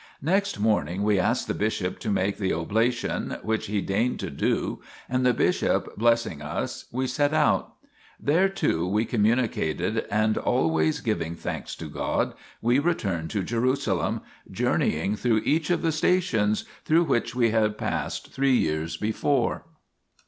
Next morning we asked the bishop to make the oblation, which he deigned to do, and the bishop blessing us, we set out. There too we com municated, and always giving thanks to God we returned to Jerusalem, journeying through each of the stations through which we had passed three years before.